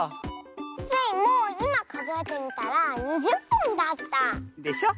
スイもいまかぞえてみたら２０ぽんだった。でしょ。